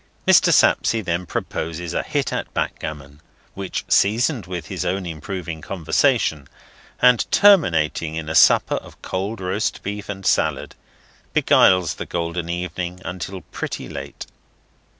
Mr. Sapsea then proposes a hit at backgammon, which, seasoned with his own improving conversation, and terminating in a supper of cold roast beef and salad, beguiles the golden evening until pretty late.